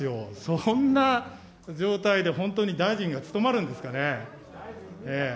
そんな状態で本当に大臣が務まるんですかね。